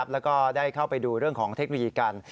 แล้วก็ได้เข้าไปดูเรื่องของเทคโนโลยีกัน